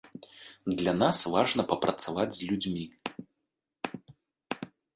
Для нас важна папрацаваць з людзьмі.